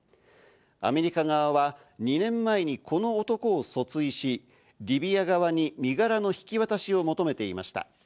アメリカ側は２年前にこの男を訴追し、リビア側に身柄の引き渡しを求めていました。